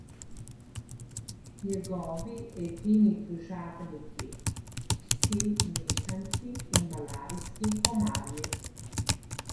Njegovi edini družabniki, psi mešanci in malarijski komarji.